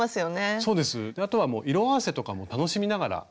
そうですあとは色合わせとかも楽しみながら。